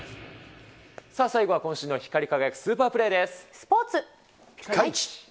さあ、最後は今週の光り輝くスースポーツ。